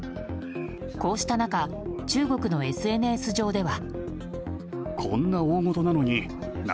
こうした中中国のＳＮＳ上では。